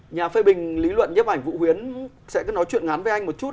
nhà phê bình lý luận nhấp ảnh vũ huyến sẽ nói chuyện ngắn với anh một chút ạ